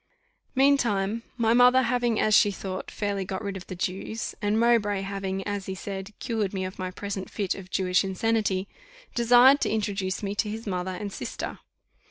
Meantime my mother having, as she thought, fairly got rid of the Jews, and Mowbray having, as he said, cured me of my present fit of Jewish insanity, desired to introduce me to his mother and sister.